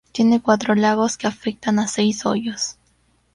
Tiene cuatro lagos que afectan a seis hoyos.